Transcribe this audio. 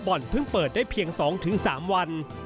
เพิ่งเปิดได้เพียง๒๓วัน